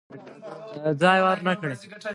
ژای ورنه کړي.